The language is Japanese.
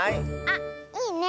あっいいね。